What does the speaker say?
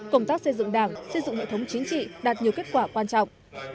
công tác xây dựng đảng xây dựng hệ thống chính trị đạt nhiều kết quả quan trọng